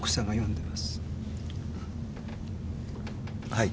はい。